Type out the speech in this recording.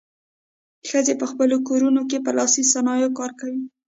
ښځې په خپلو کورونو کې په لاسي صنایعو کار کوي.